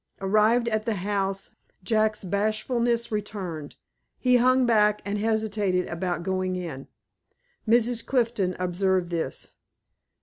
Arrived at the house, Jack's bashfulness returned. He hung back, and hesitated about going in. Mrs. Clifton observed this.